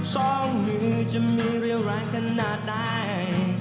สองมือจะมีเรียวร้ายขนาดใด